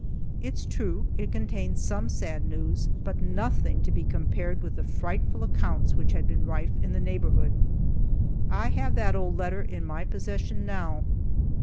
It's true, it contained some sad news, but nothing to be compared with the fearful accounts which had been rife in the neighborhood. I have that old letter in my possession now.